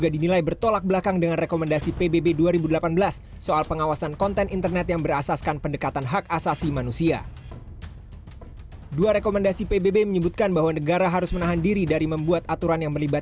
tidak boleh dilakukan pemantauan massal